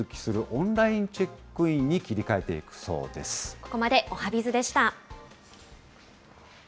オンラインチェックインに切ここまでおはＢｉｚでした。